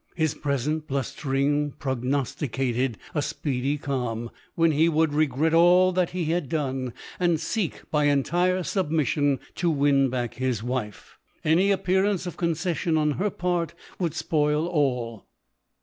His present blustering prog nosticated a speedy calm, when he would re gret all that he had done, and seek, by entire submission, to win back his wife. Any appear ance of concession on her part would spoil all.